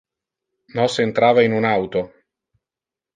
Nos entrava in un auto.